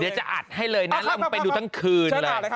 นี่จะอัดให้เลยนะแล้วอุ้มไปดูทั้งคืนเลย